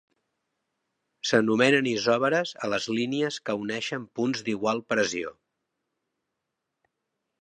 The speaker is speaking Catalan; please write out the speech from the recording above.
S'anomenen isòbares a les línies que uneixen punts d'igual pressió.